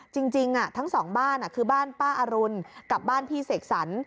จริงทั้งสองบ้านคือบ้านป้าอรุณกับบ้านพี่เสกสรร